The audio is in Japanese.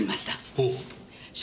おう。